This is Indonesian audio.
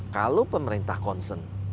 kalau pemerintah konsen